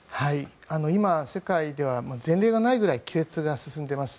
今、世界では前例がないぐらい亀裂が進んでいます。